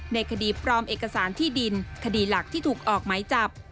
ในคดีปลอมเอกสารที่ดินคดีหลักที่ถูกออกไหมจับ